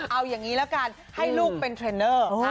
เอาอย่างนี้ละกันให้ลูกเป็นเทรนเนอร์